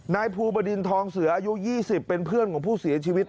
นายภูบดินทองเสืออายุ๒๐เป็นเพื่อนของผู้เสียชีวิต